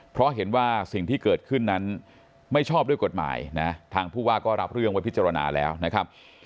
เพราะเห็นว่าสิ่งที่เกิดขึ้นนั้นไม่ชอบด้วยกฎหมายนะทางผู้ว่าก็รับเรื่องไว้พิจารณาแล้วนะครับ